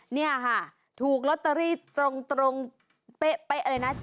เนี่ยค่ะถูกลอตเตอรี่ตรงเป๊ะไปอะไรนะ๗๙๘๗๘๗